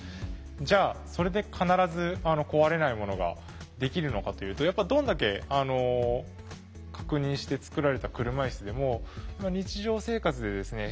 じゃあそれで必ず壊れないものができるのかというとやっぱどんだけ確認して作られた車いすでも日常生活でですね